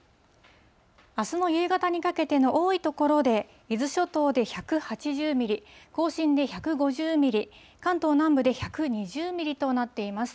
あすの夕方にかけての多い所で、伊豆諸島で１８０ミリ、甲信で１５０ミリ、関東南部で１２０ミリとなっています。